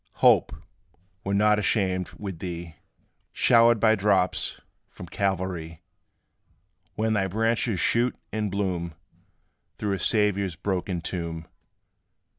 Hope, we 're not ashamed, with thee Showered by drops from Calvary, When thy branches shoot and bloom Through a Saviour's broken tomb.